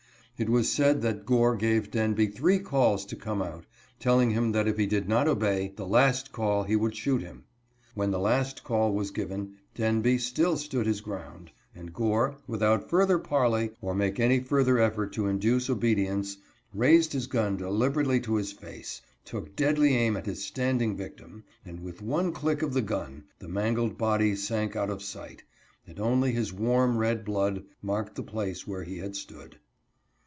It was said that Gore gave Denby three calls to come out, telling him that if he did not obey the last call he should shoot him. When the last call was given Denby still stood his ground, and Gore, without further parley or making any further effort to induce obedience, raised his gun deliberately to his face, took deadly aim at his standing victim, and with one click of the gun the mangled body sank out of sight, and only his warm red blood marked the place where he had stood.